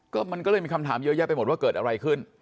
ก็มันก็เลยมีคำถามเยอะแยะไปหมดว่าเกิดอะไรขึ้น